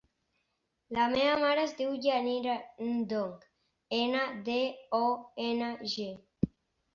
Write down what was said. La meva mare es diu Yanira Ndong: ena, de, o, ena, ge.